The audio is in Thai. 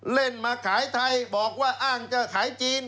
เล่นมาขายไทยบอกว่าอ้างจะขายจีน